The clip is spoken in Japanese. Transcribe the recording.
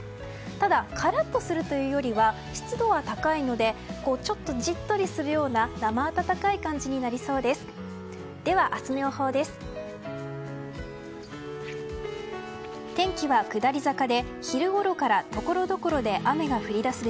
ただ、カラッとするというよりは湿度は高いのでちょっとじっとりするような生暖かい感じになりそうです。